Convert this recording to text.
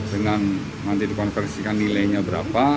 dengan nanti dikonversikan nilainya berapa